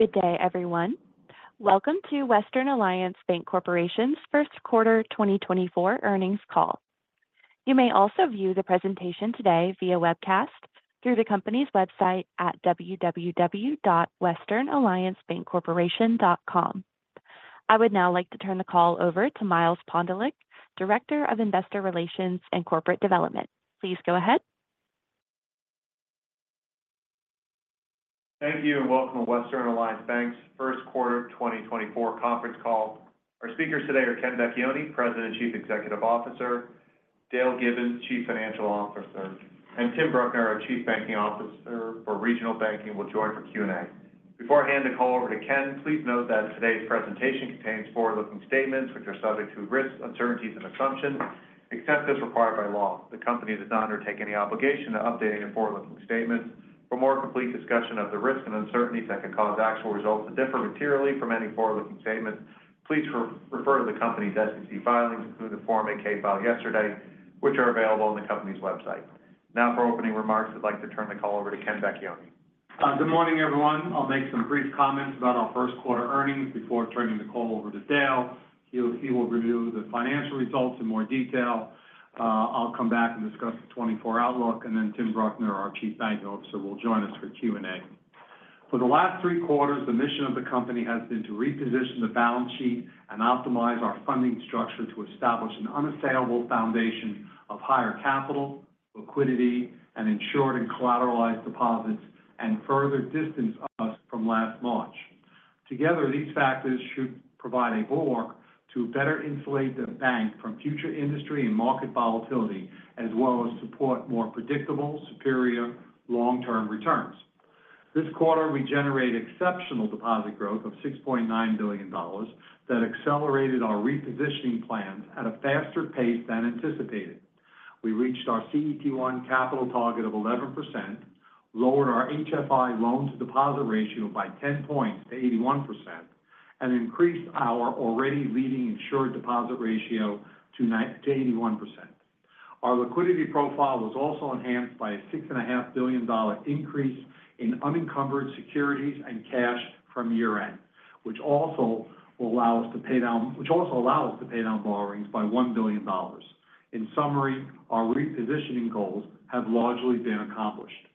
Good day, everyone. Welcome to Western Alliance Bancorporation's Q1 2024 earnings call. You may also view the presentation today via webcast through the company's website at www.westernalliancebancorporation.com. I would now like to turn the call over to Miles Pondelik, Director of Investor Relations and Corporate Development. Please go ahead. Thank you and welcome to Western Alliance Bancorporation's Q1 2024 conference call. Our speakers today are Ken Vecchione, President and Chief Executive Officer; Dale Gibbons, Chief Financial Officer; and Tim Bruckner, our Chief Banking Officer for Regional Banking, will join for Q&A. Before I hand the call over to Ken, please note that today's presentation contains forward-looking statements which are subject to risks, uncertainties, and assumptions, except as required by law. The company does not undertake any obligation to updating the forward-looking statements. For a more complete discussion of the risks and uncertainties that can cause actual results to differ materially from any forward-looking statements, please refer to the company's SEC filings, including the Form 8-K filed yesterday, which are available on the company's website. Now, for opening remarks, I'd like to turn the call over to Ken Vecchione. Good morning, everyone. I'll make some brief comments about our Q1 earnings before turning the call over to Dale. He will review the financial results in more detail. I'll come back and discuss the 2024 outlook, and then Tim Bruckner, our Chief Banking Officer, will join us for Q&A. For the last three quarters, the mission of the company has been to reposition the balance sheet and optimize our funding structure to establish an unassailable foundation of higher capital, liquidity, and insured and collateralized deposits, and further distance us from last March. Together, these factors should provide a bulwark to better insulate the bank from future industry and market volatility, as well as support more predictable, superior long-term returns. This quarter, we generated exceptional deposit growth of $6.9 billion that accelerated our repositioning plans at a faster pace than anticipated. We reached our CET1 capital target of 11%, lowered our HFI loan-to-deposit ratio by 10 points to 81%, and increased our already leading insured deposit ratio to 81%. Our liquidity profile was also enhanced by a $6.5 billion increase in unencumbered securities and cash from year-end, which also will allow us to pay down borrowings by $1 billion. In summary, our repositioning goals have largely been accomplished.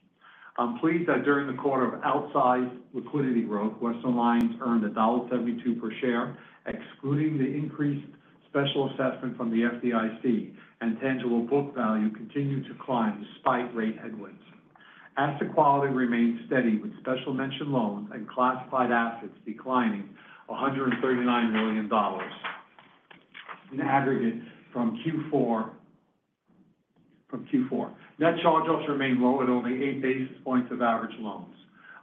I'm pleased that during the quarter of outsized liquidity growth, Western Alliance earned $1.72 per share, excluding the increased special assessment from the FDIC, and tangible book value continued to climb despite rate headwinds. Asset quality remained steady, with special mention loans and classified assets declining $139 million in aggregate from Q4. Net charge-offs remain low at only eight basis points of average loans.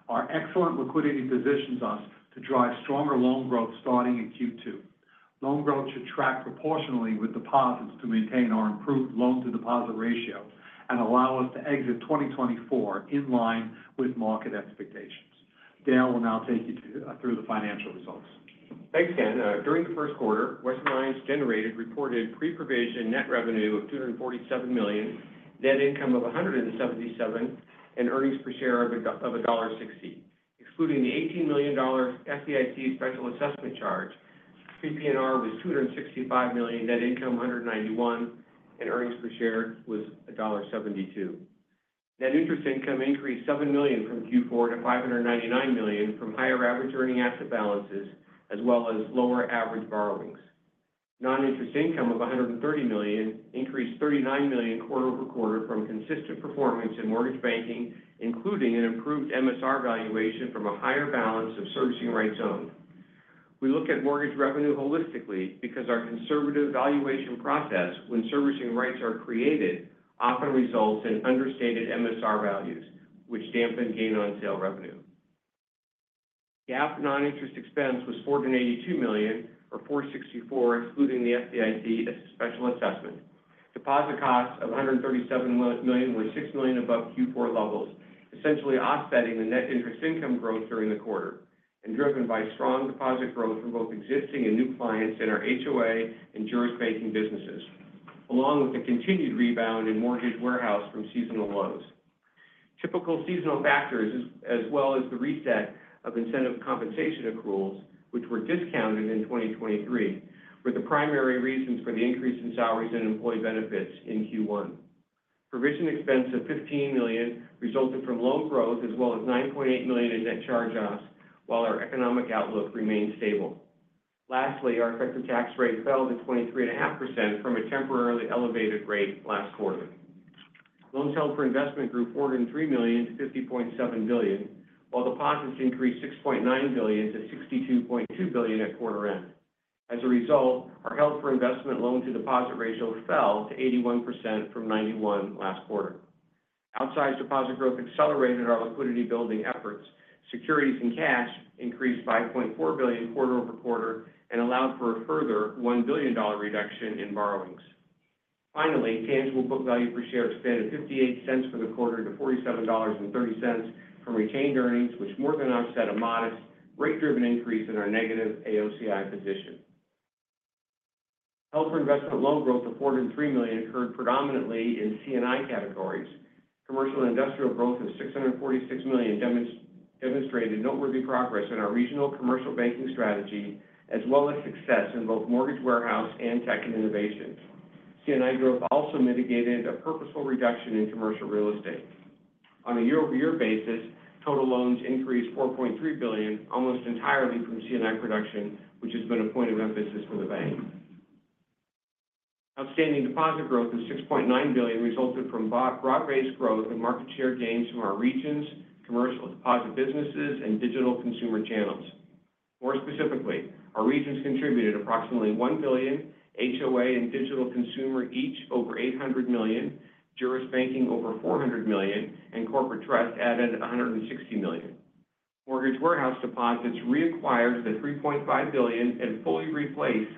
Our excellent liquidity positions us to drive stronger loan growth starting in Q2. Loan growth should track proportionally with deposits to maintain our improved loan-to-deposit ratio and allow us to exit 2024 in line with market expectations. Dale will now take you through the financial results. Thanks, Ken. During the Q1, Western Alliance generated reported pre-provision net revenue of $247 million, net income of $177, and earnings per share of $1.60. Excluding the $18 million FDIC special assessment charge, PPNR was $265 million, net income $191, and earnings per share was $1.72. Net interest income increased $7 million from Q4 to $599 million from higher average earning asset balances, as well as lower average borrowings. Non-interest income of $130 million increased $39 million quarter-over-quarter from consistent performance in mortgage banking, including an improved MSR valuation from a higher balance of servicing rights owned. We look at mortgage revenue holistically because our conservative valuation process, when servicing rights are created, often results in understated MSR values, which dampen gain-on-sale revenue. GAAP non-interest expense was $482 million, or $464, excluding the FDIC special assessment. Deposit costs of $137 million were $6 million above Q4 levels, essentially offsetting the net interest income growth during the quarter and driven by strong deposit growth from both existing and new clients in our HOA and Juris Banking businesses, along with the continued rebound in Mortgage Warehouse from seasonal lows. Typical seasonal factors, as well as the reset of incentive compensation accruals, which were discounted in 2023, were the primary reasons for the increase in salaries and employee benefits in Q1. Provision expense of $15 million resulted from loan growth, as well as $9.8 million in net charge-offs, while our economic outlook remained stable. Lastly, our effective tax rate fell to 23.5% from a temporarily elevated rate last quarter. Loans held for investment grew $403 million to $50.7 billion, while deposits increased $6.9 billion to $62.2 billion at quarter end. As a result, our held-for-investment loan-to-deposit ratio fell to 81% from 91% last quarter. Outsized deposit growth accelerated our liquidity-building efforts. Securities and cash increased $5.4 billion quarter-over-quarter and allowed for a further $1 billion reduction in borrowings. Finally, tangible book value per share expanded $0.58 for the quarter to $47.30 from retained earnings, which more than offset a modest, rate-driven increase in our negative AOCI position. Held-for-investment loan growth of $403 million occurred predominantly in C&I categories. Commercial and industrial growth of $646 million demonstrated noteworthy progress in our regional commercial banking strategy, as well as success in both Mortgage Warehouse and Tech and Innovation. C&I growth also mitigated a purposeful reduction in commercial real estate. On a year-over-year basis, total loans increased $4.3 billion, almost entirely from C&I production, which has been a point of emphasis for the bank. Outstanding deposit growth of $6.9 billion resulted from broad-based growth and market share gains from our regions, commercial deposit businesses, and Digital Consumer channels. More specifically, our regions contributed approximately $1 billion, wholesale and Digital Consumer each over $800 million, Treasury Banking over $400 million, and Corporate Trust added $160 million. Mortgage Warehouse deposits reacquired the $3.5 billion and fully replaced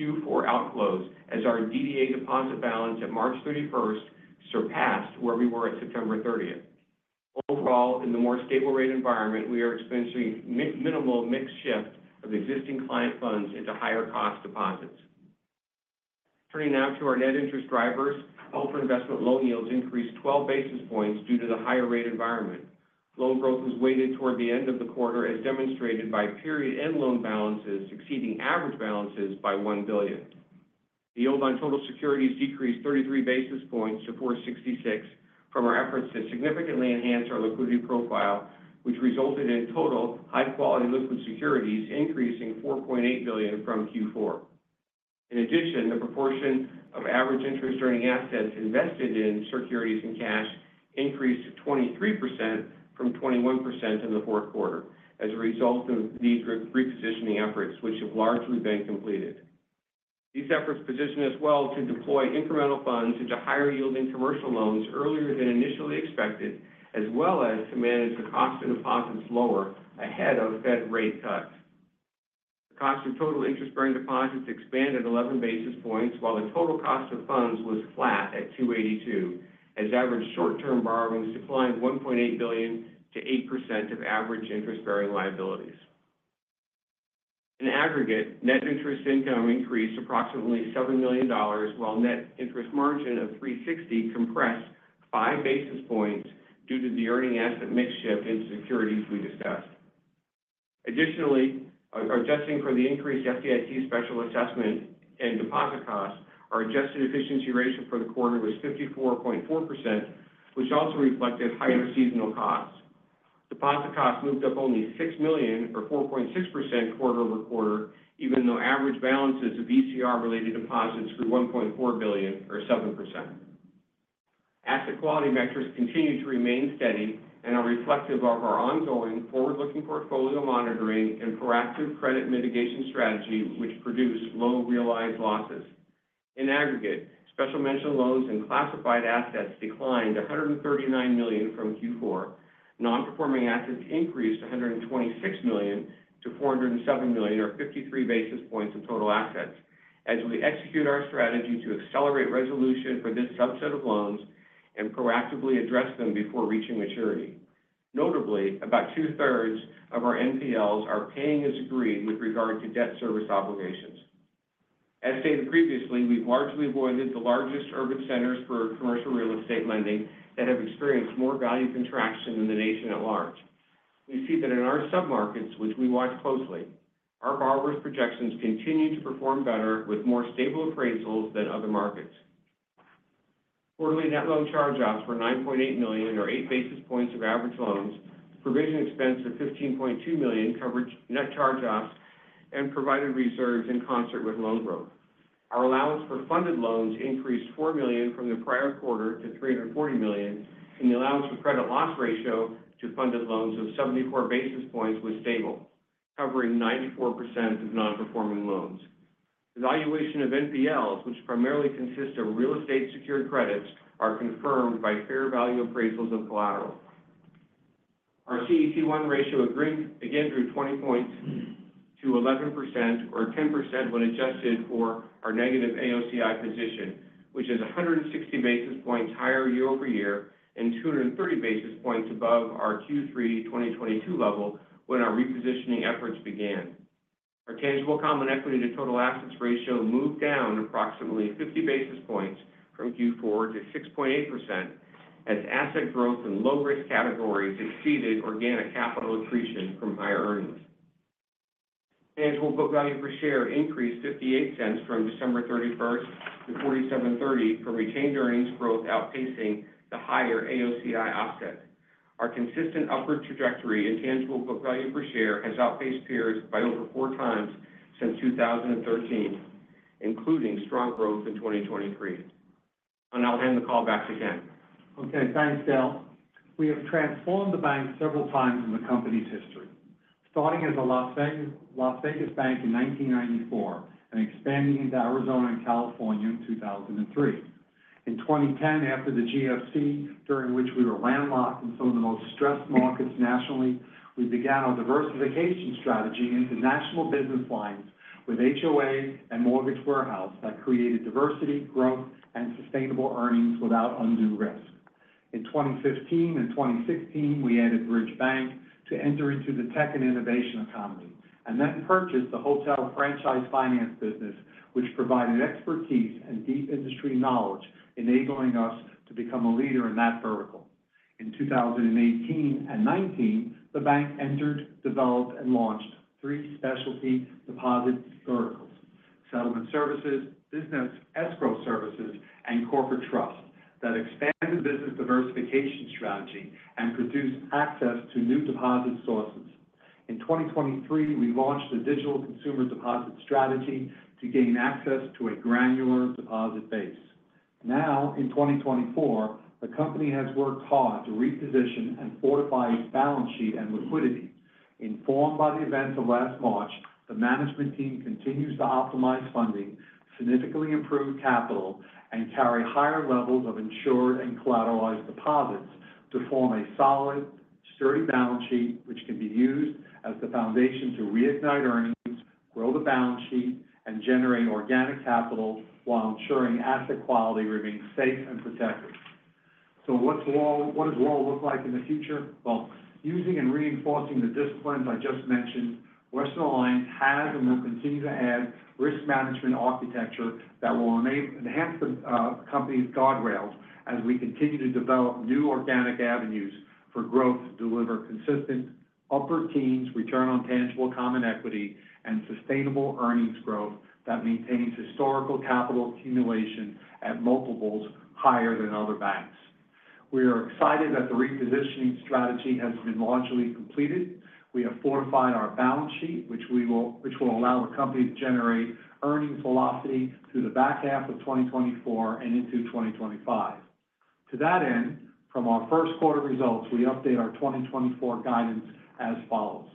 Q4 outflows, as our DDA deposit balance at March 31st surpassed where we were at September 30th. Overall, in the more stable-rate environment, we are experiencing minimal mixed shift of existing client funds into higher-cost deposits. Turning now to our net interest drivers, held-for-investment loan yields increased 12 basis points due to the higher-rate environment. Loan growth was weighted toward the end of the quarter, as demonstrated by period-end loan balances exceeding average balances by $1 billion. The yield on total securities decreased 33 basis points to $466 from our efforts to significantly enhance our liquidity profile, which resulted in total high-quality liquid securities increasing $4.8 billion from Q4. In addition, the proportion of average interest-earning assets invested in securities and cash increased to 23% from 21% in the fourth quarter as a result of these repositioning efforts, which have largely been completed. These efforts positioned us well to deploy incremental funds into higher-yielding commercial loans earlier than initially expected, as well as to manage the cost of deposits lower ahead of Fed rate cuts. The cost of total interest-bearing deposits expanded 11 basis points, while the total cost of funds was flat at $282, as average short-term borrowings declined $1.8 billion to 8% of average interest-bearing liabilities. In aggregate, net interest income increased approximately $7 million, while net interest margin of 3.60 compressed five basis points due to the earning asset mix shift in securities we discussed. Additionally, adjusting for the increased FDIC special assessment and deposit costs, our adjusted efficiency ratio for the quarter was 54.4%, which also reflected higher seasonal costs. Deposit costs moved up only $6 million, or 4.6%, quarter-over-quarter, even though average balances of ECR-related deposits grew $1.4 billion, or 7%. Asset quality metrics continue to remain steady and are reflective of our ongoing forward-looking portfolio monitoring and proactive credit mitigation strategy, which produced low realized losses. In aggregate, special mention loans and classified assets declined $139 million from Q4. Non-performing assets increased $126 million to $407 million, or 53 basis points of total assets, as we execute our strategy to accelerate resolution for this subset of loans and proactively address them before reaching maturity. Notably, about two-thirds of our NPLs are paying as agreed with regard to debt service obligations. As stated previously, we've largely avoided the largest urban centers for commercial real estate lending that have experienced more value contraction in the nation at large. We see that in our submarkets, which we watch closely, our borrowers' projections continue to perform better with more stable appraisals than other markets. Quarterly net loan charge-offs were $9.8 million, or eight basis points of average loans. Provision expense of $15.2 million covered net charge-offs and provided reserves in concert with loan growth. Our allowance for funded loans increased $4 million from the prior quarter to $340 million, and the allowance for credit loss ratio to funded loans of 74 basis points was stable, covering 94% of non-performing loans. Evaluation of NPLs, which primarily consist of real estate-secured credits, are confirmed by fair value appraisals and collateral. Our CET1 ratio again grew 20 points to 11%, or 10%, when adjusted for our negative AOCI position, which is 160 basis points higher year-over-year and 230 basis points above our Q3 2022 level when our repositioning efforts began. Our tangible common equity to total assets ratio moved down approximately 50 basis points from Q4 to 6.8%, as asset growth in low-risk categories exceeded organic capital accretion from higher earnings. Tangible book value per share increased $0.58 from December 31st to $47.30 from retained earnings growth outpacing the higher AOCI offset. Our consistent upward trajectory in tangible book value per share has outpaced peers by over 4 times since 2013, including strong growth in 2023. I'll hand the call back to Ken. Okay. Thanks, Dale. We have transformed the bank several times in the company's history, starting as a Las Vegas bank in 1994 and expanding into Arizona and California in 2003. In 2010, after the GFC, during which we were landlocked in some of the most stressed markets nationally, we began our diversification strategy into national business lines with HOA and Mortgage Warehouse that created diversity, growth, and sustainable earnings without undue risk. In 2015 and 2016, we added Bridge Bank to enter into the Tech and Innovation economy and then purchased the hotel franchise finance business, which provided expertise and deep industry knowledge, enabling us to become a leader in that vertical. In 2018 and 2019, the bank entered, developed, and launched three specialty deposit verticals: Settlement Services, Business Escrow Services, and Corporate Trust that expanded the business diversification strategy and produced access to new deposit sources. In 2023, we launched a Digital Consumer deposit strategy to gain access to a granular deposit base. Now, in 2024, the company has worked hard to reposition and fortify its balance sheet and liquidity. Informed by the events of last March, the management team continues to optimize funding, significantly improve capital, and carry higher levels of insured and collateralized deposits to form a solid, sturdy balance sheet, which can be used as the foundation to reignite earnings, grow the balance sheet, and generate organic capital while ensuring asset quality remains safe and protected. What does WAL look like in the future? Well, using and reinforcing the disciplines I just mentioned, Western Alliance has and will continue to add risk management architecture that will enhance the company's guardrails as we continue to develop new organic avenues for growth to deliver consistent upper teens return on tangible common equity, and sustainable earnings growth that maintains historical capital accumulation at multiples higher than other banks. We are excited that the repositioning strategy has been largely completed. We have fortified our balance sheet, which will allow the company to generate earnings velocity through the back half of 2024 and into 2025. To that end, from our Q1 results, we update our 2024 guidance as follows: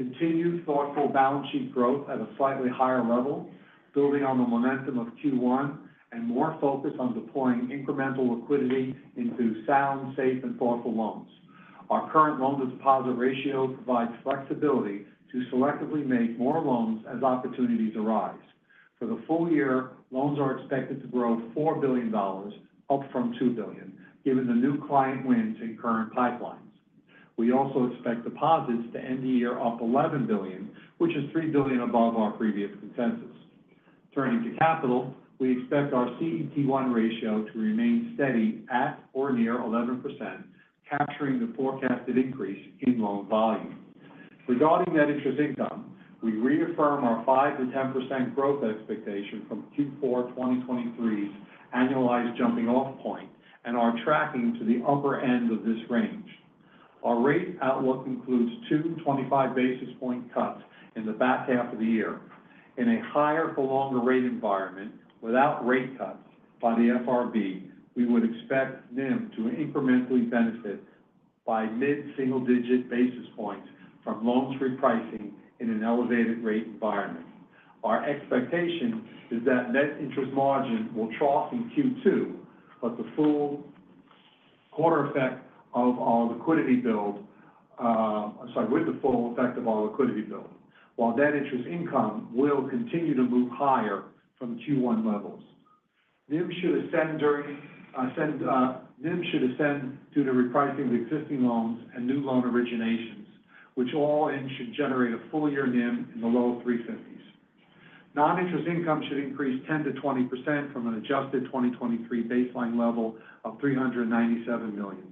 continue thoughtful balance sheet growth at a slightly higher level, building on the momentum of Q1, and more focus on deploying incremental liquidity into sound, safe, and thoughtful loans. Our current loan-to-deposit ratio provides flexibility to selectively make more loans as opportunities arise. For the full year, loans are expected to grow $4 billion, up from $2 billion, given the new client wins in current pipelines. We also expect deposits to end the year up $11 billion, which is $3 billion above our previous consensus. Turning to capital, we expect our CET1 ratio to remain steady at or near 11%, capturing the forecasted increase in loan volume. Regarding net interest income, we reaffirm our 5%-10% growth expectation from Q4 2023's annualized jumping-off point and are tracking to the upper end of this range. Our rate outlook includes two 25-basis-point cuts in the back half of the year. In a higher-for-longer rate environment without rate cuts by the FRB, we would expect NIM to incrementally benefit by mid-single-digit basis points from loans repricing in an elevated rate environment. Our expectation is that net interest margin will trough in Q2, but the full quarter effect of our liquidity build, I'm sorry, with the full effect of our liquidity build, while net interest income will continue to move higher from Q1 levels. NIM should ascend during, NIM should ascend due to repricing of existing loans and new loan originations, which, all in, should generate a full-year NIM in the low 350s. Non-interest income should increase 10%-20% from an adjusted 2023 baseline level of $397 million.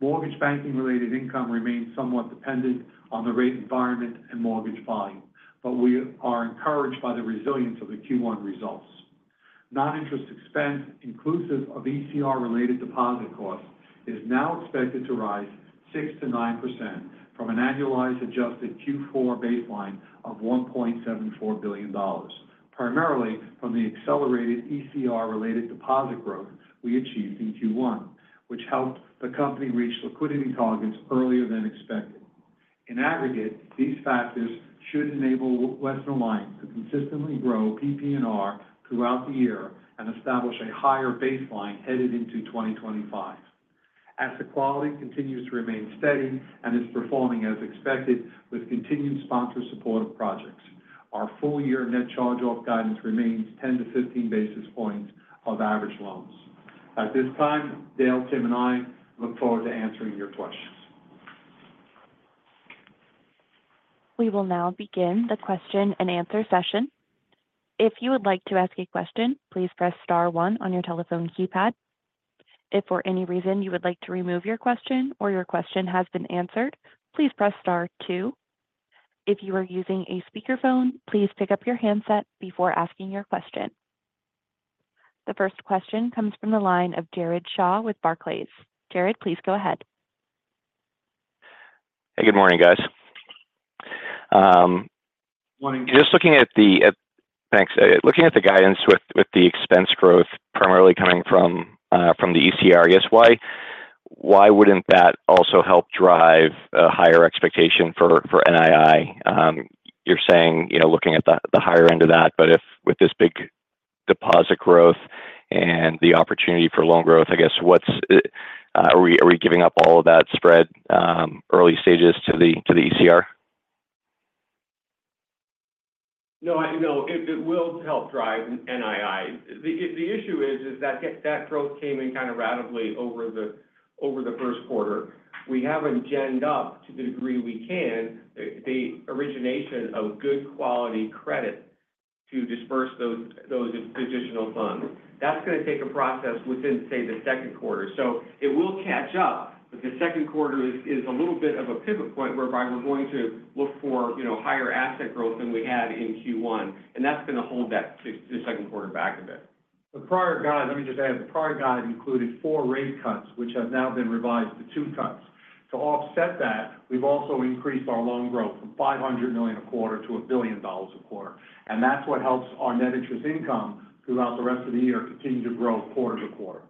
Mortgage banking-related income remains somewhat dependent on the rate environment and mortgage volume, but we are encouraged by the resilience of the Q1 results. Non-interest expense, inclusive of ECR-related deposit costs, is now expected to rise 6%-9% from an annualized adjusted Q4 baseline of $1.74 billion, primarily from the accelerated ECR-related deposit growth we achieved in Q1, which helped the company reach liquidity targets earlier than expected. In aggregate, these factors should enable Western Alliance to consistently grow PPNR throughout the year and establish a higher baseline headed into 2025, as the quality continues to remain steady and is performing as expected with continued sponsor support of projects. Our full-year net charge-off guidance remains 10-15 basis points of average loans. At this time, Dale, Tim, and I look forward to answering your questions. We will now begin the question-and-answer session. If you would like to ask a question, please press star 1 on your telephone keypad. If for any reason you would like to remove your question or your question has been answered, please press star 2. If you are using a speakerphone, please pick up your handset before asking your question. The first question comes from the line of Jared Shaw with Barclays. Jared, please go ahead. Hey, good morning, guys. Looking at the guidance with the expense growth primarily coming from the ECR, I guess, why wouldn't that also help drive a higher expectation for NII? You're saying looking at the higher end of that, but with this big deposit growth and the opportunity for loan growth, I guess, what are we giving up all of that spread early stages to the ECR? No, it will help drive NII. The issue is that growth came in kind of rapidly over the Q1. We haven't geared up to the degree we can the origination of good quality credit to disburse those additional funds. That's going to take a process within, say, the Q2. So it will catch up, but the Q2 is a little bit of a pivot point whereby we're going to look for higher asset growth than we had in Q1, and that's going to hold that Q2 back a bit. The prior guide, let me just add. The prior guide included 4 rate cuts, which have now been revised to 2 cuts. To offset that, we've also increased our loan growth from $500 million a quarter to $1 billion a quarter. That's what helps our net interest income throughout the rest of the year continue to grow quarter to quarter.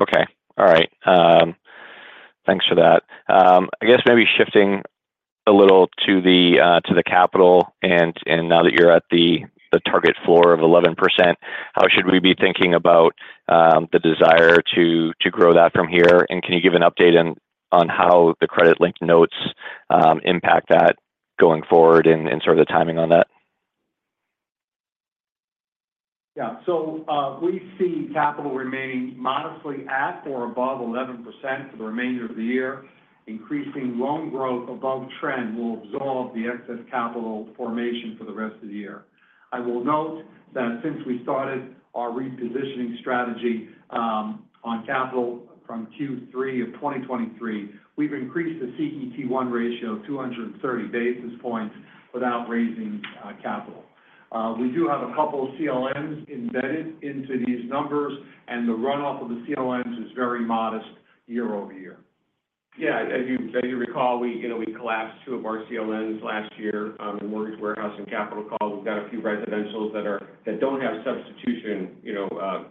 Okay. All right. Thanks for that. I guess maybe shifting a little to the capital, and now that you're at the target floor of 11%, how should we be thinking about the desire to grow that from here? And can you give an update on how the credit-linked notes impact that going forward and sort of the timing on that? Yeah. So we see capital remaining modestly at or above 11% for the remainder of the year. Increasing loan growth above trend will absorb the excess capital formation for the rest of the year. I will note that since we started our repositioning strategy on capital from Q3 of 2023, we've increased the CET1 ratio 230 basis points without raising capital. We do have a couple of CLNs embedded into these numbers, and the runoff of the CLNs is very modest year-over-year. Yeah. As you recall, we collapsed two of our CLNs last year in Mortgage Warehouse and capital call. We've got a few residentials that don't have substitution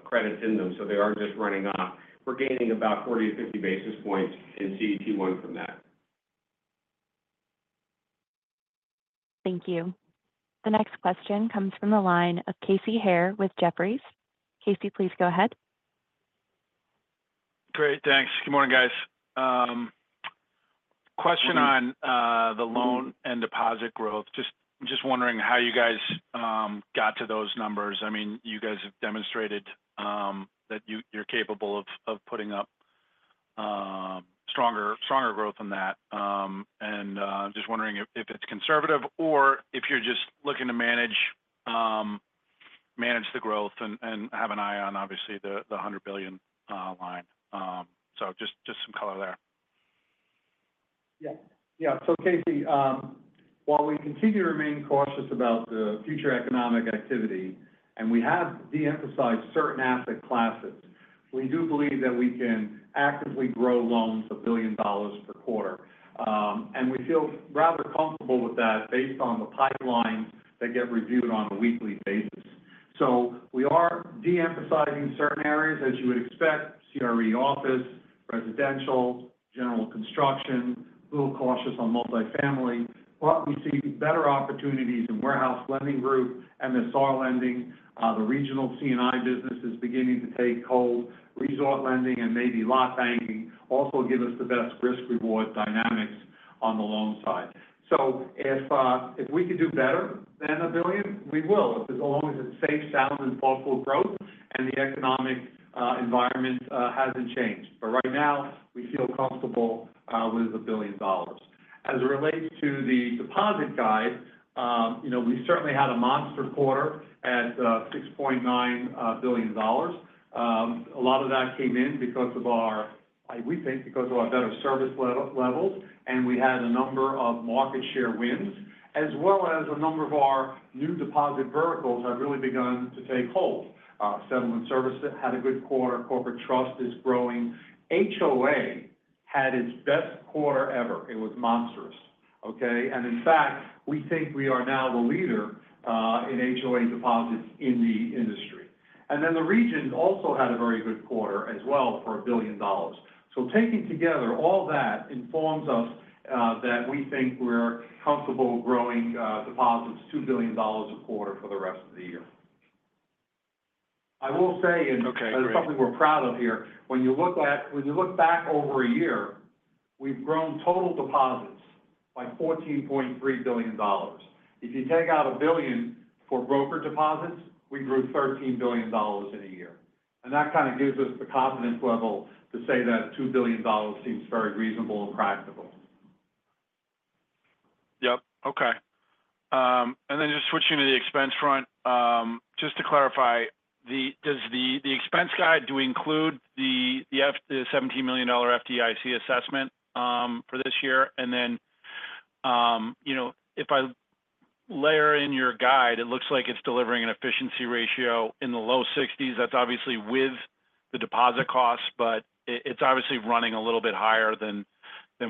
credits in them, so they are just running off. We're gaining about 40-50 basis points in CET1 from that. Thank you. The next question comes from the line of Casey Haire with Jefferies. Casey, please go ahead. Great. Thanks. Good morning, guys. Question on the loan and deposit growth. Just wondering how you guys got to those numbers. I mean, you guys have demonstrated that you're capable of putting up stronger growth than that. Just wondering if it's conservative or if you're just looking to manage the growth and have an eye on, obviously, the $100 billion line. Just some color there. Yeah. Yeah. So Casey, while we continue to remain cautious about the future economic activity and we have de-emphasized certain asset classes, we do believe that we can actively grow loans $1 billion per quarter. We feel rather comfortable with that based on the pipelines that get reviewed on a weekly basis. So we are de-emphasizing certain areas, as you would expect: CRE office, residential, general construction, a little cautious on multifamily. But we see better opportunities in warehouse lending group and the MSR lending. The regional C&I business is beginning to take hold. Resort lending and maybe lot banking also give us the best risk-reward dynamics on the loan side. So if we could do better than $1 billion, we will, as long as it's safe, sound, and thoughtful growth and the economic environment hasn't changed. But right now, we feel comfortable with $1 billion. As it relates to the deposit guide, we certainly had a monster quarter at $6.9 billion. A lot of that came in because of our we think because of our better service levels, and we had a number of market share wins, as well as a number of our new deposit verticals have really begun to take hold. Settlement service had a good quarter. Corporate Trust is growing. HOA had its best quarter ever. It was monstrous, okay? And in fact, we think we are now the leader in HOA deposits in the industry. And then the regions also had a very good quarter as well for $1 billion. So taking together all that informs us that we think we're comfortable growing deposits $2 billion a quarter for the rest of the year. I will say, and that's something we're proud of here, when you look back over a year, we've grown total deposits by $14.3 billion. If you take out $1 billion for broker deposits, we grew $13 billion in a year. That kind of gives us the confidence level to say that $2 billion seems very reasonable and practical. Yep. Okay. And then just switching to the expense front, just to clarify, does the expense guide do include the $17 million FDIC assessment for this year? And then if I layer in your guide, it looks like it's delivering an efficiency ratio in the low 60s. That's obviously with the deposit costs, but it's obviously running a little bit higher than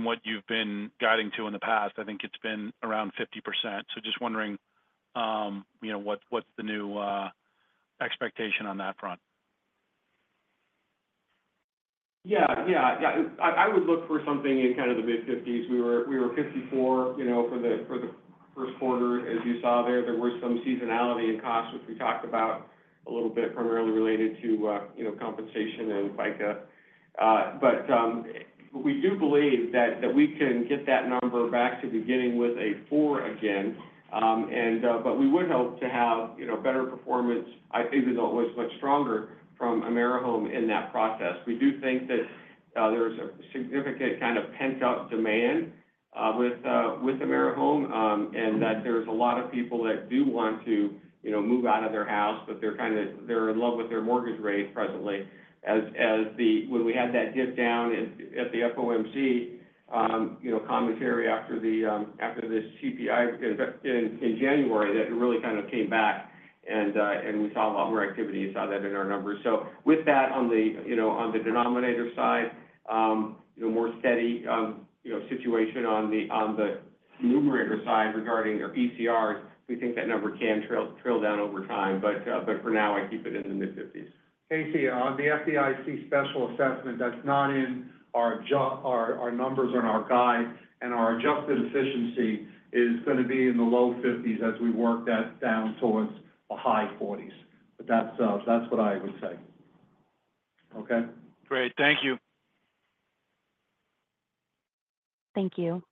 what you've been guiding to in the past. I think it's been around 50%. So just wondering what's the new expectation on that front. Yeah. Yeah. Yeah. I would look for something in kind of the mid-50s. We were 54 for the Q1. As you saw there, there was some seasonality in cost, which we talked about a little bit primarily related to compensation and FICA. But we do believe that we can get that number back to beginning with a 4 again, but we would hope to have better performance, even though it was much stronger, from AmeriHome in that process. We do think that there's a significant kind of pent-up demand with AmeriHome and that there's a lot of people that do want to move out of their house, but they're in love with their mortgage rate presently. When we had that dip down at the FOMC commentary after this CPI in January that really kind of came back, and we saw a lot more activity. You saw that in our numbers. So with that on the denominator side, more steady situation on the numerator side regarding our ECRs, we think that number can trail down over time. But for now, I keep it in the mid-50s. Casey, on the FDIC special assessment, that's not in our numbers on our guide, and our adjusted efficiency is going to be in the low 50s as we work that down towards the high 40s. But that's what I would say. Okay? Great. Thank you. Thank you.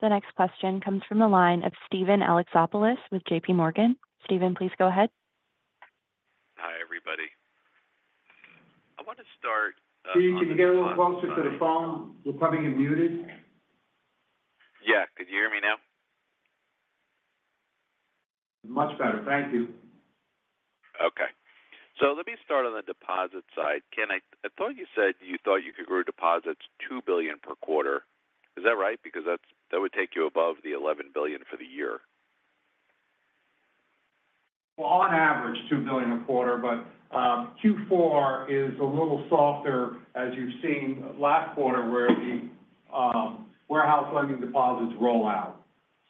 The next question comes from the line of Steven Alexopoulos with JPMorgan. Stephen, please go ahead. Hi, everybody. I want to start. Steve, can you get a little closer to the phone? You're coming in muted. Yeah. Could you hear me now? Much better. Thank you. Okay. So let me start on the deposit side. I thought you said you thought you could grow deposits $2 billion per quarter. Is that right? Because that would take you above the $11 billion for the year. Well, on average, $2 billion a quarter, but Q4 is a little softer as you've seen last quarter where the warehouse lending deposits roll out.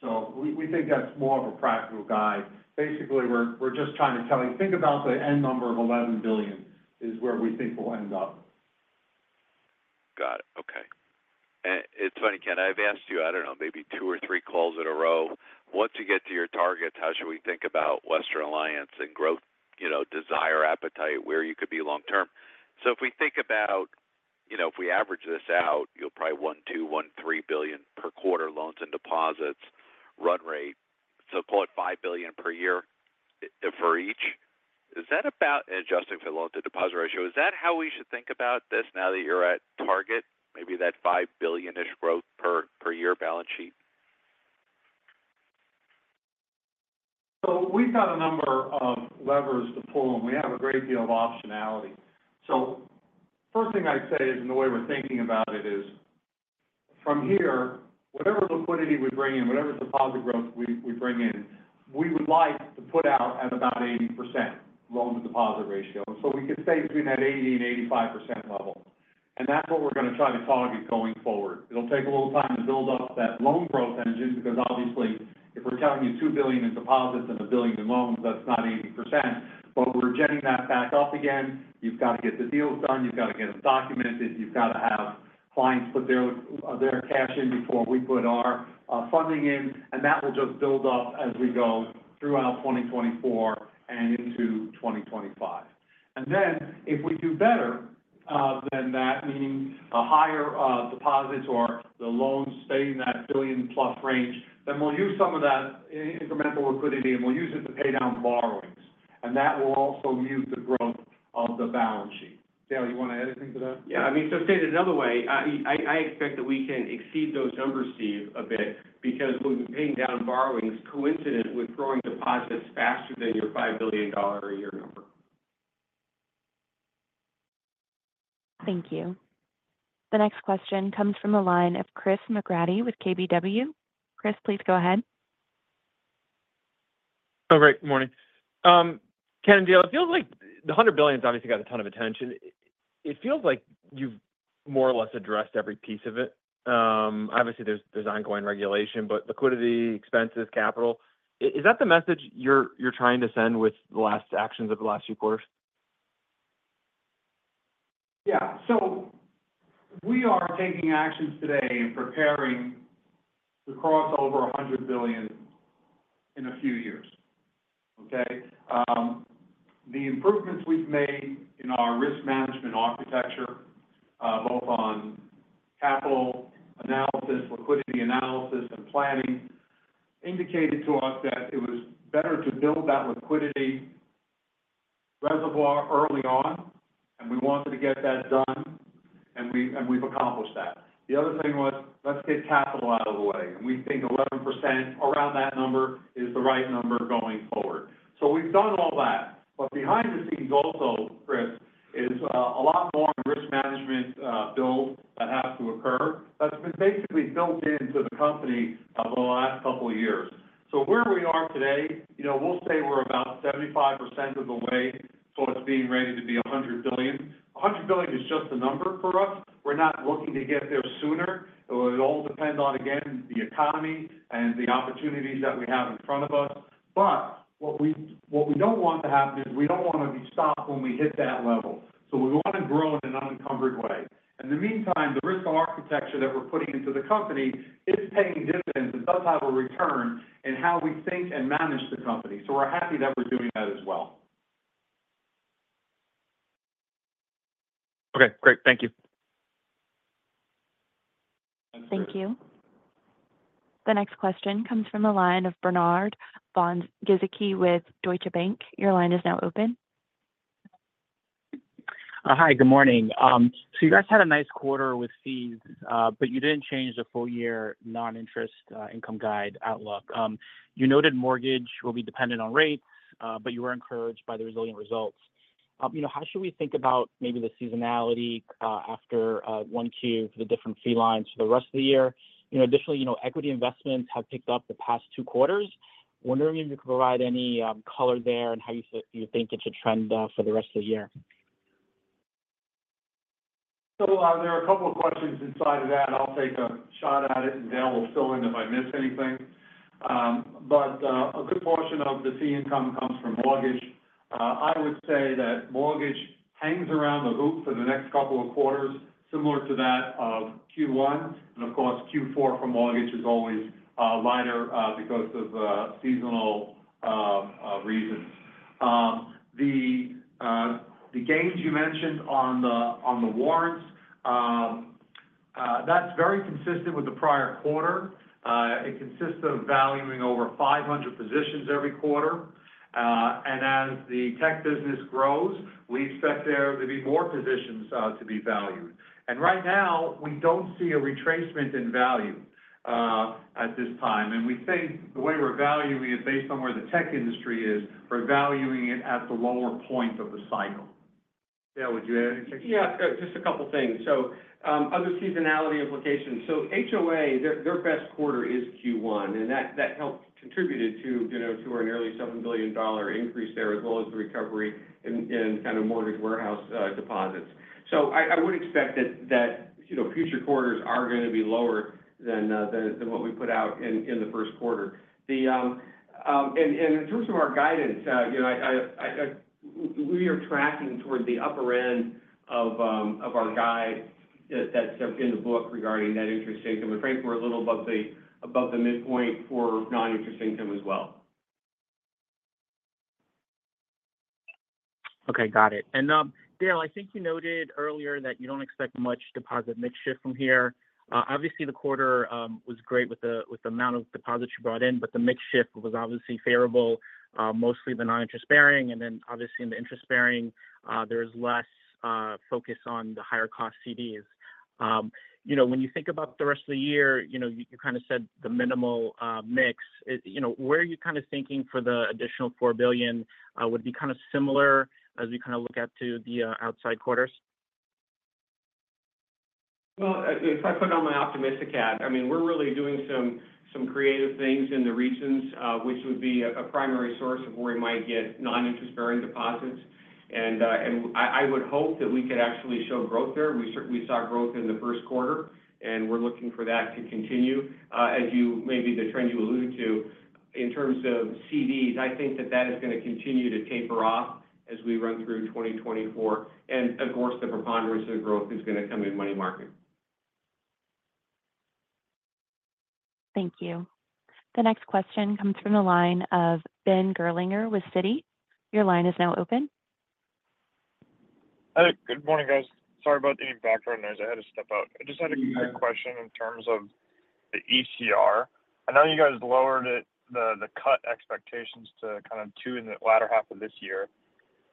So we think that's more of a practical guide. Basically, we're just trying to tell you, think about the end number of $11 billion is where we think we'll end up. Got it. Okay. It's funny, Ken. I've asked you, I don't know, maybe two or three calls in a row. Once you get to your targets, how should we think about Western Alliance and growth desire appetite, where you could be long-term? So if we think about if we average this out, you'll probably $1-$2 billion, $1-$3 billion per quarter loans and deposits, run rate. So call it $5 billion per year for each. Is that about adjusting for loan-to-deposit ratio? Is that how we should think about this now that you're at target, maybe that $5 billion-ish growth per year balance sheet? So we've got a number of levers to pull, and we have a great deal of optionality. So first thing I'd say is, and the way we're thinking about it is, from here, whatever liquidity we bring in, whatever deposit growth we bring in, we would like to put out at about 80% loan-to-deposit ratio. So we could stay between that 80%-85% level. And that's what we're going to try to target going forward. It'll take a little time to build up that loan growth engine because, obviously, if we're telling you $2 billion in deposits and $1 billion in loans, that's not 80%. But we're getting that back up again. You've got to get the deals done. You've got to get them documented. You've got to have clients put their cash in before we put our funding in. That will just build up as we go throughout 2024 and into 2025. Then if we do better than that, meaning higher deposits or the loans staying in that billion-plus range, then we'll use some of that incremental liquidity, and we'll use it to pay down borrowings. That will also mute the growth of the balance sheet. Dale, you want to add anything to that? Yeah. I mean, so stated another way, I expect that we can exceed those numbers, Steve, a bit because what we've been paying down borrowings coincident with growing deposits faster than your $5 billion a year number. Thank you. The next question comes from the line of Chris McGratty with KBW. Chris, please go ahead. Oh, great. Good morning. Ken and Dale, it feels like the $100 billion's obviously got a ton of attention. It feels like you've more or less addressed every piece of it. Obviously, there's ongoing regulation, but liquidity, expenses, capital. Is that the message you're trying to send with the last actions of the last few quarters? Yeah. So we are taking actions today and preparing to cross over $100 billion in a few years, okay? The improvements we've made in our risk management architecture, both on capital analysis, liquidity analysis, and planning, indicated to us that it was better to build that liquidity reservoir early on, and we wanted to get that done, and we've accomplished that. The other thing was, let's get capital out of the way. We think 11% around that number is the right number going forward. So we've done all that. Behind the scenes also, Chris, is a lot more risk management build that has to occur that's been basically built into the company over the last couple of years. Where we are today, we'll say we're about 75% of the way towards being ready to be $100 billion. $100 billion is just a number for us. We're not looking to get there sooner. It will all depend on, again, the economy and the opportunities that we have in front of us. But what we don't want to happen is we don't want to be stopped when we hit that level. So we want to grow in an unencumbered way. In the meantime, the risk architecture that we're putting into the company is paying dividends. It does have a return in how we think and manage the company. So we're happy that we're doing that as well. Okay. Great. Thank you. Thank you. The next question comes from the line of Bernard von Gizycki with Deutsche Bank. Your line is now open. Hi. Good morning. So you guys had a nice quarter with fees, but you didn't change the full-year noninterest income guidance outlook. You noted mortgage will be dependent on rates, but you were encouraged by the resilient results. How should we think about maybe the seasonality after Q1 for the different fee lines for the rest of the year? Additionally, equity investments have picked up the past two quarters. Wondering if you could provide any color there and how you think it should trend for the rest of the year? So there are a couple of questions inside of that. I'll take a shot at it, and Dale will fill in if I miss anything. But a good portion of the fee income comes from mortgage. I would say that mortgage hangs around the hoop for the next couple of quarters, similar to that of Q1. Of course, Q4 for mortgage is always lighter because of seasonal reasons. The gains you mentioned on the warrants, that's very consistent with the prior quarter. It consists of valuing over 500 positions every quarter. As the tech business grows, we expect there to be more positions to be valued. Right now, we don't see a retracement in value at this time. We think the way we're valuing it, based on where the tech industry is, we're valuing it at the lower point of the cycle. Dale, would you add anything? Yeah. Just a couple of things. So other seasonality implications. So HOA, their best quarter is Q1, and that contributed to our nearly $7 billion increase there as well as the recovery in kind of Mortgage Warehouse deposits. So I would expect that future quarters are going to be lower than what we put out in the Q1. And in terms of our guidance, we are tracking toward the upper end of our guide that's in the book regarding that interest income. And frankly, we're a little above the midpoint for non-interest income as well. Okay. Got it. And Dale, I think you noted earlier that you don't expect much deposit mix shift from here. Obviously, the quarter was great with the amount of deposits you brought in, but the mix shift was obviously favorable, mostly the non-interest bearing. And then obviously, in the interest bearing, there is less focus on the higher-cost CDs. When you think about the rest of the year, you kind of said the minimal mix. Where are you kind of thinking for the additional $4 billion? Would it be kind of similar as we kind of look at the outside quarters? Well, if I put on my optimistic hat, I mean, we're really doing some creative things in the regions, which would be a primary source of where we might get non-interest bearing deposits. And I would hope that we could actually show growth there. We saw growth in the Q1, and we're looking for that to continue. As maybe the trend you alluded to, in terms of CDs, I think that that is going to continue to taper off as we run through 2024. And of course, the preponderance of the growth is going to come in money market. Thank you. The next question comes from the line of Ben Gerlinger with Citi. Your line is now open. Good morning, guys. Sorry about any background noise. I had to step out. I just had a quick question in terms of the ECR. I know you guys lowered the cut expectations to kind of 2 in the latter half of this year.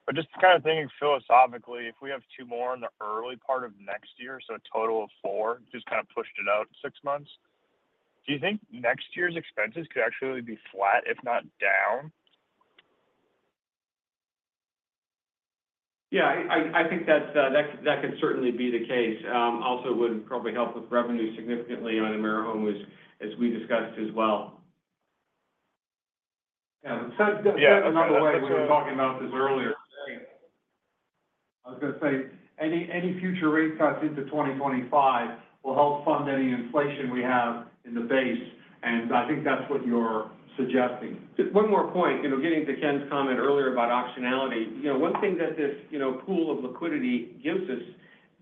But just kind of thinking philosophically, if we have 2 more in the early part of next year, so a total of 4, just kind of pushed it out 6 months, do you think next year's expenses could actually be flat, if not down? Yeah. I think that could certainly be the case. Also, it would probably help with revenue significantly on AmeriHome, as we discussed as well. Yeah. So another way we were talking about this earlier, I was going to say, any future rate cuts into 2025 will help fund any inflation we have in the base. And I think that's what you're suggesting. One more point, getting to Ken's comment earlier about optionality, one thing that this pool of liquidity gives us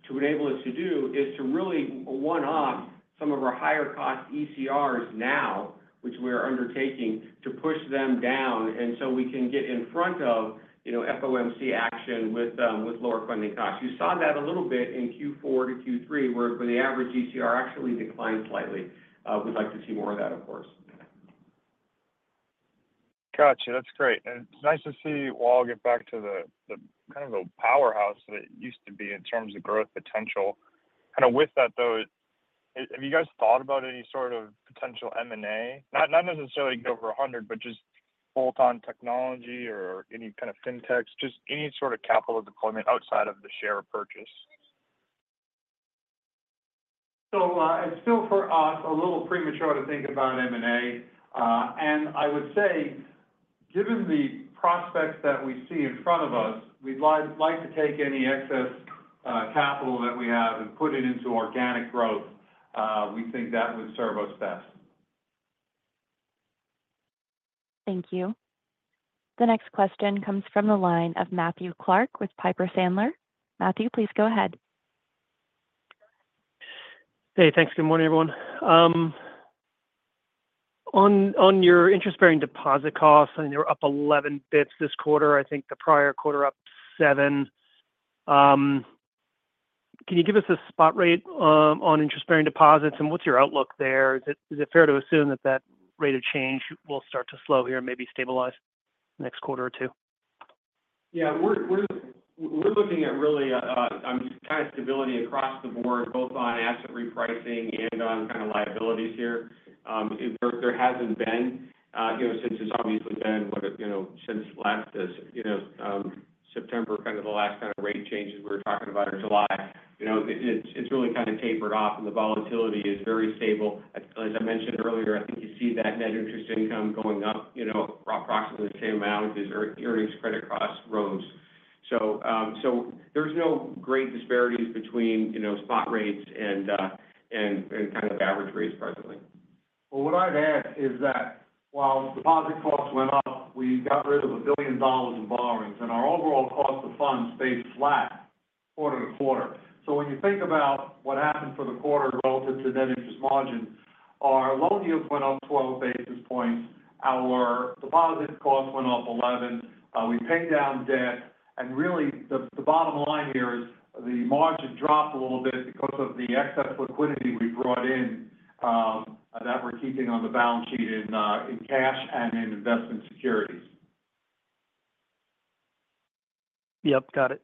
to enable us to do is to really one-off some of our higher-cost ECRs now, which we're undertaking, to push them down and so we can get in front of FOMC action with lower funding costs. You saw that a little bit in Q4 to Q3 where the average ECR actually declined slightly. We'd like to see more of that, of course. Gotcha. That's great. And it's nice to see you all get back to kind of the powerhouse that it used to be in terms of growth potential. Kind of with that, though, have you guys thought about any sort of potential M&A? Not necessarily get over 100, but just bolt-on technology or any kind of fintechs, just any sort of capital deployment outside of the share purchase. It's still for us a little premature to think about M&A. I would say, given the prospects that we see in front of us, we'd like to take any excess capital that we have and put it into organic growth. We think that would serve us best. Thank you. The next question comes from the line of Matthew Clark with Piper Sandler. Matthew, please go ahead. Hey. Thanks. Good morning, everyone. On your interest-bearing deposit costs, I mean, they were up 11 basis points this quarter. I think the prior quarter, up 7. Can you give us a spot rate on interest-bearing deposits, and what's your outlook there? Is it fair to assume that that rate of change will start to slow here and maybe stabilize the next quarter or two? Yeah. We're looking at really, I mean, kind of stability across the board, both on asset repricing and on kind of liabilities here. There hasn't been since it's obviously been since last September, kind of the last kind of rate changes we were talking about in July. It's really kind of tapered off, and the volatility is very stable. As I mentioned earlier, I think you see that net interest income going up approximately the same amount as earnings credit costs rose. So there's no great disparities between spot rates and kind of average rates presently. Well, what I'd add is that while deposit costs went up, we got rid of $1 billion in borrowings. And our overall cost of funds stayed flat quarter-over-quarter. So when you think about what happened for the quarter relative to net interest margin, our loan yields went up 12 basis points. Our deposit costs went up 11. We paid down debt. And really, the bottom line here is the margin dropped a little bit because of the excess liquidity we brought in that we're keeping on the balance sheet in cash and in investment securities. Yep. Got it.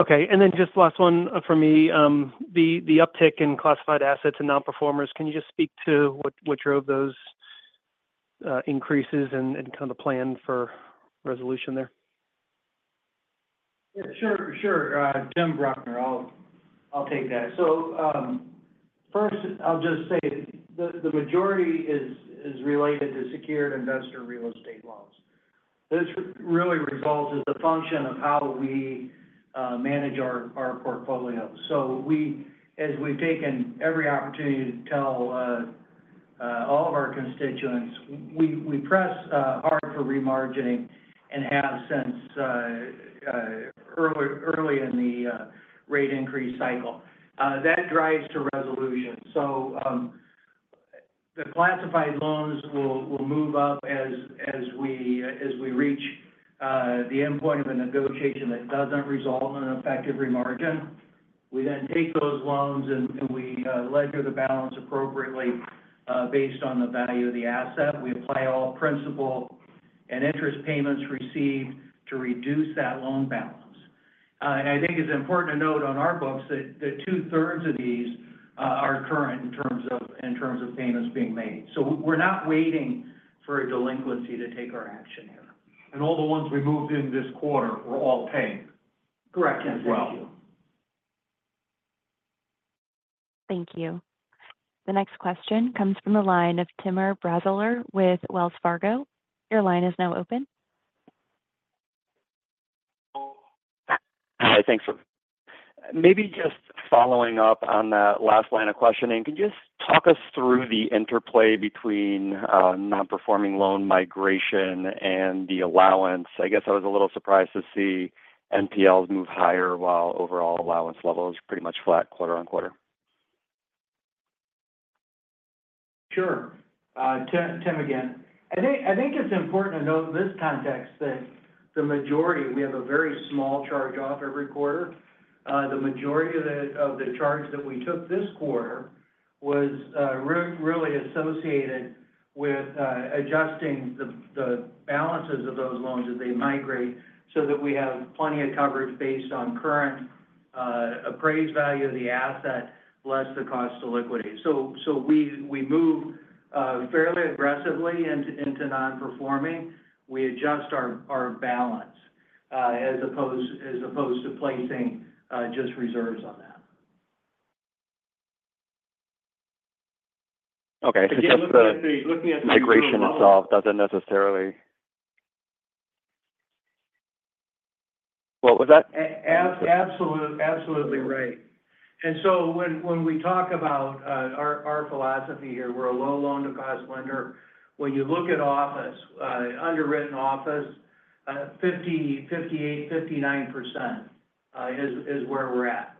Okay. And then just last one from me, the uptick in classified assets and non-performers, can you just speak to what drove those increases and kind of the plan for resolution there? Yeah. Sure. Sure. Tim Bruckner, I'll take that. So first, I'll just say the majority is related to secured investor real estate loans. This really results as a function of how we manage our portfolio. So as we've taken every opportunity to tell all of our constituents, we press hard for remargining and have since early in the rate increase cycle. That drives to resolution. So the classified loans will move up as we reach the endpoint of a negotiation that doesn't result in an effective remargin. We then take those loans, and we ledger the balance appropriately based on the value of the asset. We apply all principal and interest payments received to reduce that loan balance. And I think it's important to note on our books that two-thirds of these are current in terms of payments being made. We're not waiting for a delinquency to take our action here. All the ones we moved in this quarter were all paid as well. Correct. Yes. Thank you. Thank you. The next question comes from the line of Timur Braziler with Wells Fargo. Your line is now open. Hi. Thanks for maybe just following up on that last line of questioning. Can you just talk us through the interplay between non-performing loan migration and the allowance? I guess I was a little surprised to see NPLs move higher while overall allowance level is pretty much flat quarter-over-quarter. Sure. Tim again. I think it's important to note in this context that the majority we have a very small charge-off every quarter. The majority of the charge that we took this quarter was really associated with adjusting the balances of those loans as they migrate so that we have plenty of coverage based on current appraised value of the asset, less the cost of liquidity. So we move fairly aggressively into non-performing. We adjust our balance as opposed to placing just reserves on that. Okay. So just looking at the migration itself doesn't necessarily what was that? Absolutely right. When we talk about our philosophy here, we're a low loan-to-cost lender. When you look at office, underwritten office, 58%-59% is where we're at.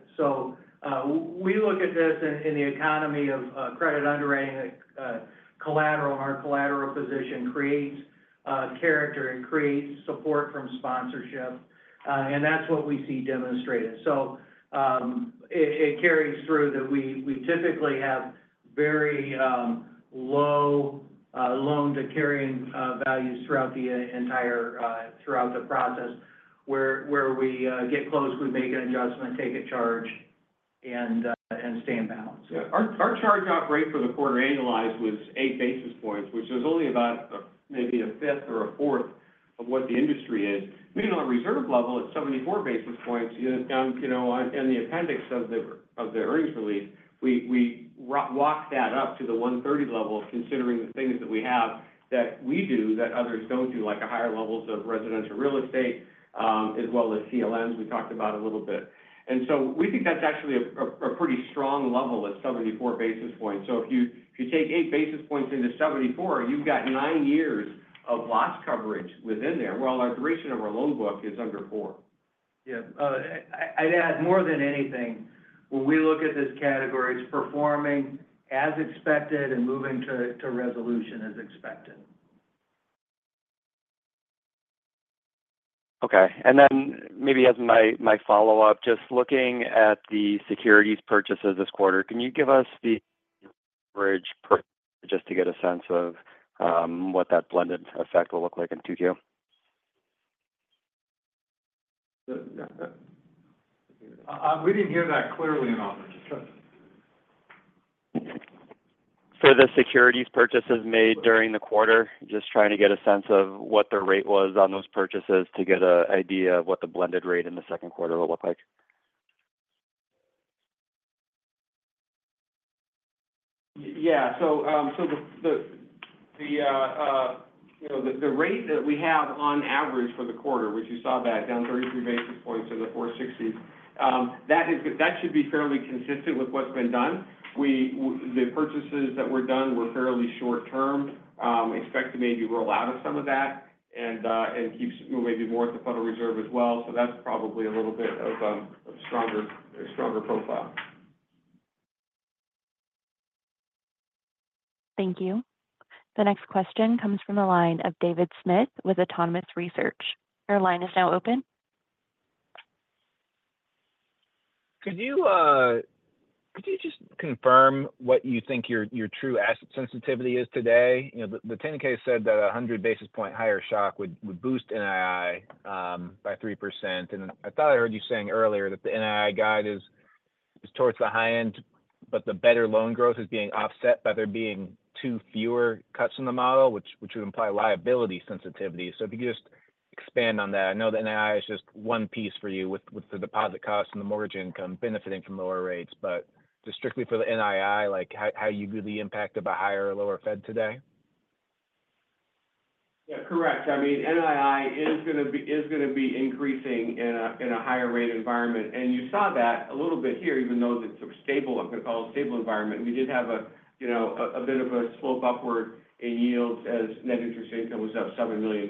We look at this in the economy of credit underwriting collateral. Our collateral position creates character. It creates support from sponsorship. That's what we see demonstrated. It carries through that we typically have very low loan-to-carrying values throughout the entire process. Where we get close, we make an adjustment, take a charge, and stay in balance. Yeah. Our charge out rate for the quarter annualized was 8 basis points, which is only about maybe a fifth or a fourth of what the industry is. Meanwhile, reserve level at 74 basis points. In the appendix of the earnings release, we walk that up to the 130 level, considering the things that we have that we do that others don't do, like higher levels of residential real estate as well as CLNs we talked about a little bit. And so we think that's actually a pretty strong level at 74 basis points. So if you take 8 basis points into 74, you've got 9 years of loss coverage within there. Well, our duration of our loan book is under 4. Yeah. I'd add more than anything, when we look at this category, it's performing as expected and moving to resolution as expected. Okay. And then maybe as my follow-up, just looking at the securities purchases this quarter, can you give us the average purchase just to get a sense of what that blended effect will look like in 2Q? We didn't hear that clearly in office. For the securities purchases made during the quarter, just trying to get a sense of what the rate was on those purchases to get an idea of what the blended rate in the Q2 will look like. Yeah. So the rate that we have on average for the quarter, which you saw that down 33 basis points to the 460s, that should be fairly consistent with what's been done. The purchases that were done were fairly short-term. Expect to maybe roll out of some of that and keep maybe more at the Federal Reserve as well. So that's probably a little bit of a stronger profile. Thank you. The next question comes from the line of David Smith with Autonomous Research. Your line is now open. Could you just confirm what you think your true asset sensitivity is today? The 10-K said that a 100-basis-point higher shock would boost NII by 3%. I thought I heard you saying earlier that the NII guide is towards the high end, but the better loan growth is being offset by there being too fewer cuts in the model, which would imply liability sensitivity. If you could just expand on that. I know the NII is just one piece for you with the deposit costs and the mortgage income benefiting from lower rates. Just strictly for the NII, how do you view the impact of a higher or lower Fed today? Yeah. Correct. I mean, NII is going to be increasing in a higher-rate environment. You saw that a little bit here, even though it's sort of stable. I'm going to call it a stable environment. We did have a bit of a slope upward in yields as net interest income was up $7 million.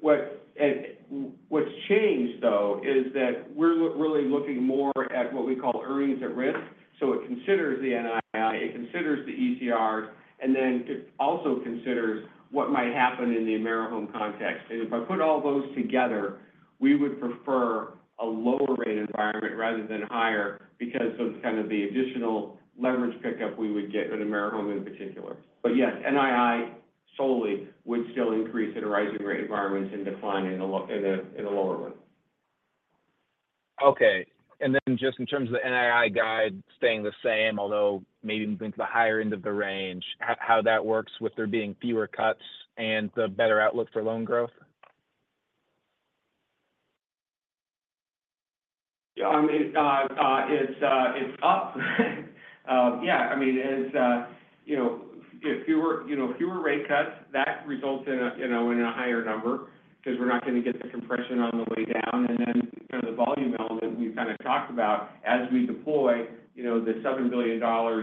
What's changed, though, is that we're really looking more at what we call earnings at risk. So it considers the NII. It considers the ECRs. Then it also considers what might happen in the AmeriHome context. If I put all those together, we would prefer a lower-rate environment rather than higher because of kind of the additional leverage pickup we would get at AmeriHome in particular. But yes, NII solely would still increase in a rising-rate environment and decline in a lower one. Okay. And then just in terms of the NII guide staying the same, although maybe moving to the higher end of the range, how that works with there being fewer cuts and the better outlook for loan growth? Yeah. I mean, it's up. Yeah. I mean, it's fewer rate cuts. That results in a higher number because we're not going to get the compression on the way down. And then kind of the volume element we've kind of talked about as we deploy the $7 billion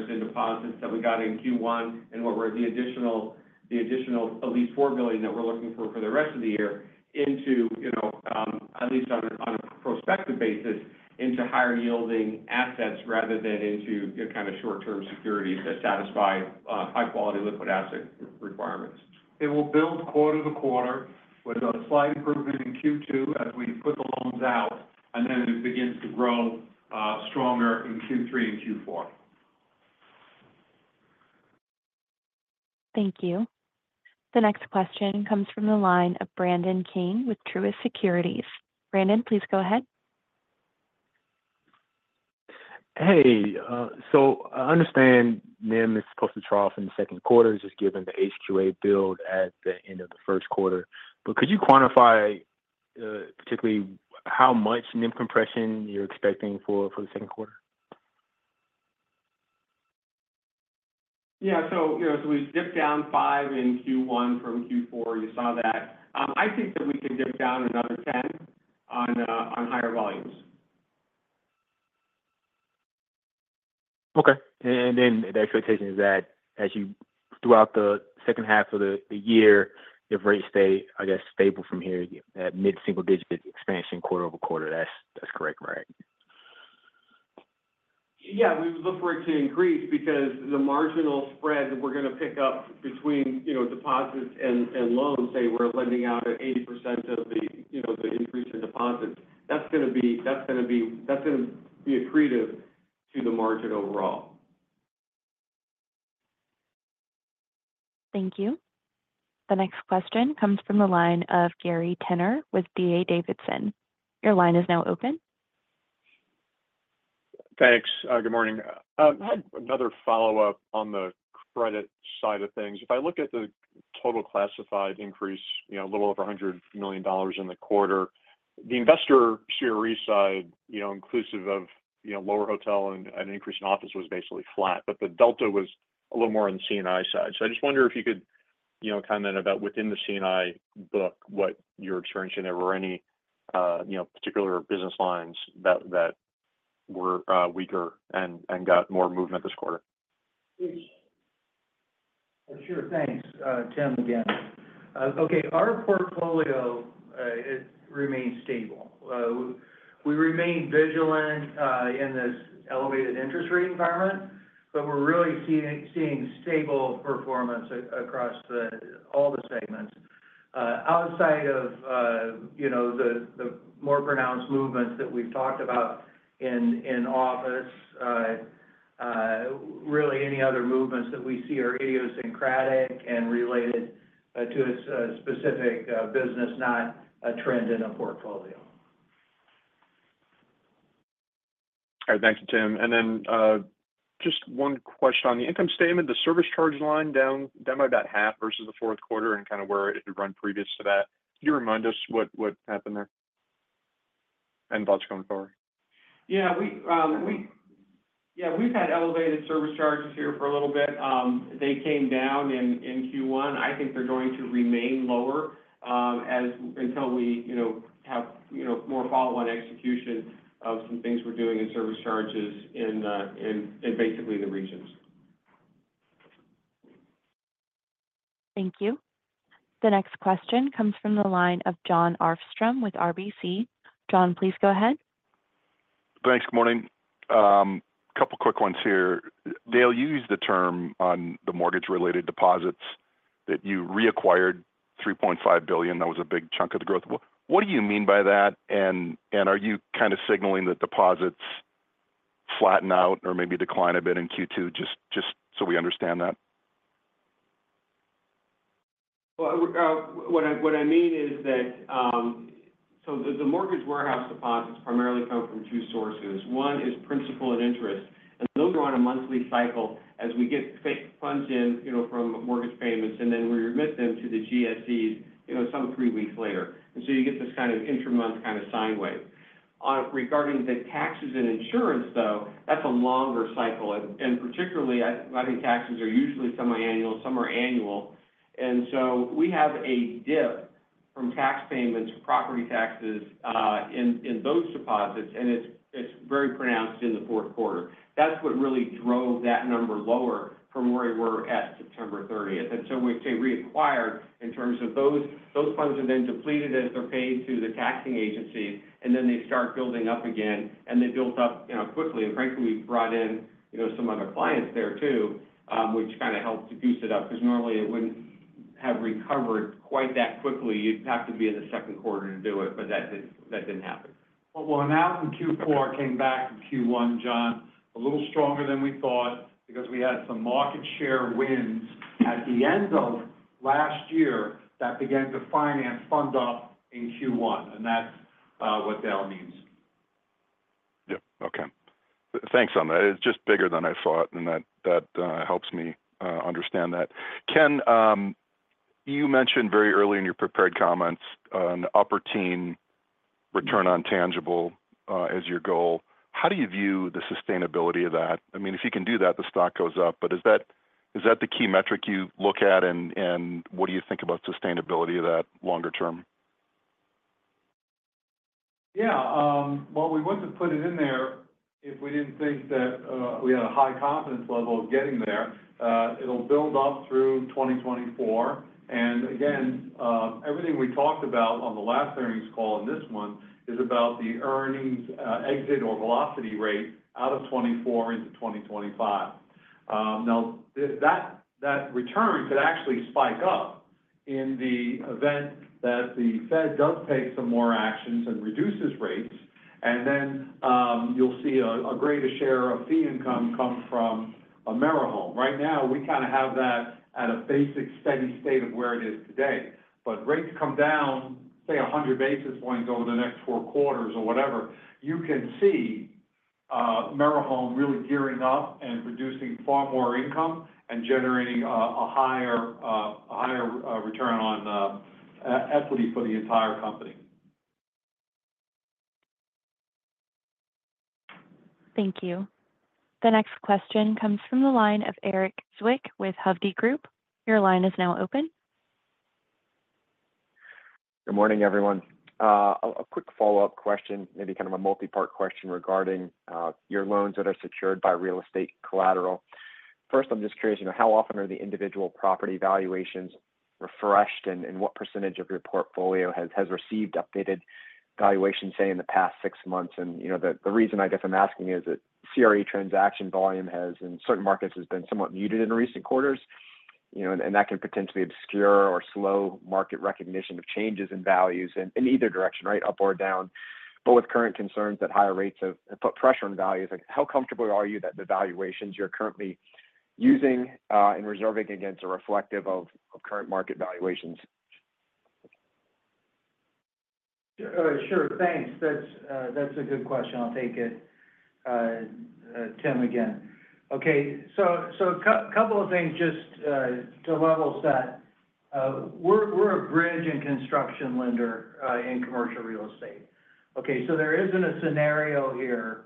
in deposits that we got in Q1 and what were the additional at least $4 billion that we're looking for for the rest of the year into, at least on a prospective basis, into higher-yielding assets rather than into kind of short-term securities that satisfy high-quality liquid asset requirements. It will build quarter to quarter with a slight improvement in Q2 as we put the loans out. And then it begins to grow stronger in Q3 and Q4. Thank you. The next question comes from the line of Brandon King with Truist Securities. Brandon, please go ahead. Hey. So I understand NIM is supposed to draw off in the Q2 just given the HQLA build at the end of the Q1. But could you quantify particularly how much NIM compression you're expecting for the Q2? Yeah. We dipped down 5 in Q1 from Q4. You saw that. I think that we could dip down another 10 on higher volumes. Okay. And then the expectation is that throughout the second half of the year, if rates stay, I guess, stable from here at mid-single-digit expansion quarter-over-quarter. That's correct, right? Yeah. We would look for it to increase because the marginal spread that we're going to pick up between deposits and loans, say we're lending out at 80% of the increase in deposits, that's going to be accretive to the margin overall. Thank you. The next question comes from the line of Gary Tenner with D.A. Davidson. Your line is now open. Thanks. Good morning. I had another follow-up on the credit side of things. If I look at the total classified increase, a little over $100 million in the quarter, the investor CRE side, inclusive of lower hotel and an increase in office, was basically flat. But the delta was a little more on the C&I side. So I just wonder if you could comment about within the C&I book what your experience in there were any particular business lines that were weaker and got more movement this quarter. Sure. Thanks, Tim again. Okay. Our portfolio, it remains stable. We remain vigilant in this elevated interest rate environment, but we're really seeing stable performance across all the segments. Outside of the more pronounced movements that we've talked about in office, really any other movements that we see are idiosyncratic and related to a specific business, not a trend in a portfolio. All right. Thank you, Tim. And then just one question on the income statement. The service charge line down by about half versus the fourth quarter and kind of where it had run previous to that. Could you remind us what happened there and thoughts going forward? Yeah. Yeah. We've had elevated service charges here for a little bit. They came down in Q1. I think they're going to remain lower until we have more follow-on execution of some things we're doing in service charges in basically the regions. Thank you. The next question comes from the line of Jon Arfstrom with RBC. Jon, please go ahead. Thanks. Good morning. A couple of quick ones here. Dale, you used the term on the mortgage-related deposits that you reacquired $3.5 billion. That was a big chunk of the growth. What do you mean by that? And are you kind of signaling that deposits flatten out or maybe decline a bit in Q2, just so we understand that? Well, what I mean is that so the Mortgage Warehouse deposits primarily come from two sources. One is principal and interest. Those are on a monthly cycle as we get funds in from mortgage payments, and then we remit them to the GSEs some three weeks later. So you get this kind of intra-month kind of sine wave. Regarding the taxes and insurance, though, that's a longer cycle. Particularly, I think taxes are usually semi-annual. Some are annual. So we have a dip from tax payments for property taxes in those deposits, and it's very pronounced in the fourth quarter. That's what really drove that number lower from where we were at September 30th. So we say reacquired in terms of those funds are then depleted as they're paid to the taxing agency, and then they start building up again. They built up quickly. And frankly, we brought in some other clients there too, which kind of helped to boost it up because normally it wouldn't have recovered quite that quickly. You'd have to be in the Q2 to do it, but that didn't happen. Well, now in Q4, it came back to Q1, Jon, a little stronger than we thought because we had some market share wins at the end of last year that began to finance fund off in Q1. And that's what Dale means. Yep. Okay. Thanks on that. It's just bigger than I thought, and that helps me understand that. Ken, you mentioned very early in your prepared comments an upper-teens return on tangible as your goal. How do you view the sustainability of that? I mean, if you can do that, the stock goes up. But is that the key metric you look at? And what do you think about sustainability of that longer term? Yeah. Well, we want to put it in there if we didn't think that we had a high confidence level of getting there. It'll build up through 2024. And again, everything we talked about on the last earnings call and this one is about the earnings exit or velocity rate out of 2024 into 2025. Now, that return could actually spike up in the event that the Fed does take some more actions and reduces rates, and then you'll see a greater share of fee income come from AmeriHome. Right now, we kind of have that at a basic steady state of where it is today. But rates come down, say, 100 basis points over the next four quarters or whatever, you can see AmeriHome really gearing up and producing far more income and generating a higher return on equity for the entire company. Thank you. The next question comes from the line of Erik Zwick with Hovde Group. Your line is now open. Good morning, everyone. A quick follow-up question, maybe kind of a multi-part question regarding your loans that are secured by real estate collateral. First, I'm just curious, how often are the individual property valuations refreshed, and what percentage of your portfolio has received updated valuations, say, in the past six months? The reason, I guess, I'm asking is that CRE transaction volume has in certain markets been somewhat muted in recent quarters, and that can potentially obscure or slow market recognition of changes in values in either direction, right, up or down. But with current concerns that higher rates have put pressure on values, how comfortable are you that the valuations you're currently using and reserving against are reflective of current market valuations? Sure. Thanks. That's a good question. I'll take it, Tim, again. Okay. A couple of things just to level set. We're a bridge and construction lender in commercial real estate. Okay. There isn't a scenario here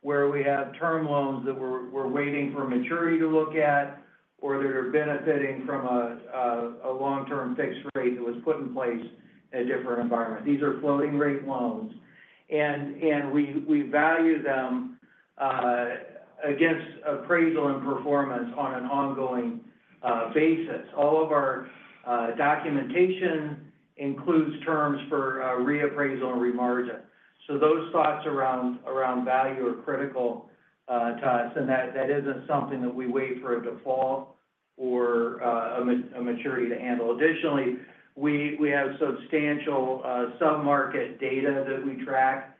where we have term loans that we're waiting for maturity to look at or that are benefiting from a long-term fixed rate that was put in place in a different environment. These are floating-rate loans. We value them against appraisal and performance on an ongoing basis. All of our documentation includes terms for reappraisal and remargin. Those thoughts around value are critical to us, and that isn't something that we wait for a default or a maturity to handle. Additionally, we have substantial submarket data that we track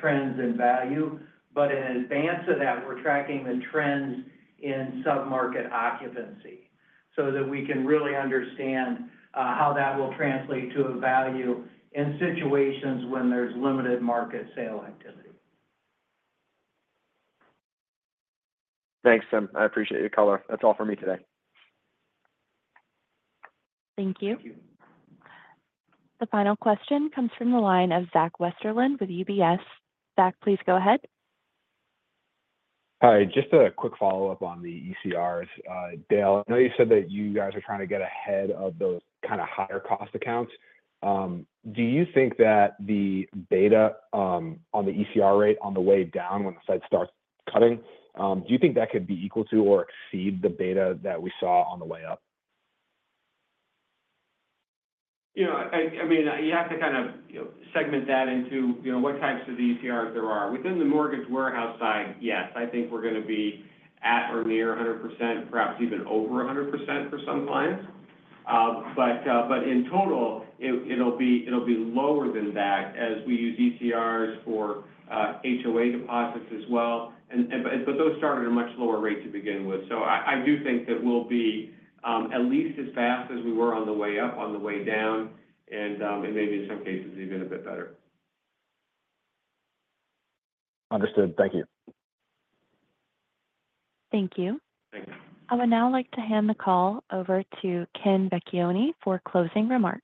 trends in value. In advance of that, we're tracking the trends in submarket occupancy so that we can really understand how that will translate to a value in situations when there's limited market sale activity. Thanks, Tim. I appreciate your call, though. That's all for me today. Thank you. The final question comes from the line of Zack Westerlind with UBS. Zack, please go ahead. Hi. Just a quick follow-up on the ECRs. Dale, I know you said that you guys are trying to get ahead of those kind of higher-cost accounts. Do you think that the beta on the ECR rate on the way down when the Fed starts cutting, do you think that could be equal to or exceed the beta that we saw on the way up? I mean, you have to kind of segment that into what types of ECRs there are. Within the Mortgage Warehouse side, yes, I think we're going to be at or near 100%, perhaps even over 100% for some clients. But in total, it'll be lower than that as we use ECRs for HOA deposits as well. But those started at a much lower rate to begin with. So I do think that we'll be at least as fast as we were on the way up, on the way down, and maybe in some cases even a bit better. Understood. Thank you. Thank you. I would now like to hand the call over to Ken Vecchione for closing remarks.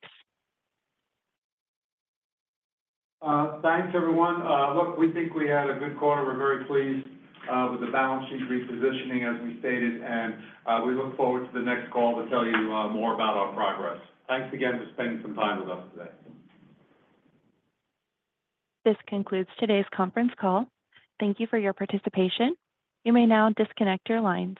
Thanks, everyone. Look, we think we had a good quarter. We're very pleased with the balance sheet repositioning as we stated. We look forward to the next call to tell you more about our progress. Thanks again for spending some time with us today. This concludes today's conference call. Thank you for your participation. You may now disconnect your lines.